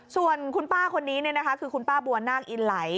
ส่วนคุณป้าคนนี้คือคุณป้าบัวนาคอินไหล